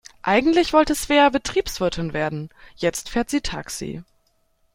Eigentlich wollte Svea Betriebswirtin werden, jetzt fährt sie Taxi.